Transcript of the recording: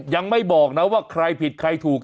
ยังไม่บอกนะว่าใครผิดใครถูก